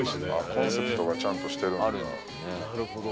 コンセプトがちゃんとしてるんだ。